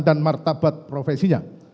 dan martabat profesinya